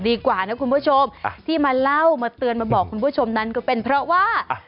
ดีกว่านะคุณผู้ชมที่มาเล่ามาเตือนมาบอกคุณผู้ชมนั้นก็เป็นเพราะว่า